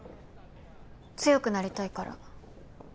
強くなりたいから。